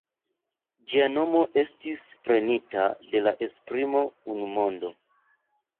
Ĝia nomo estis prenita de la esprimo "unu mondo".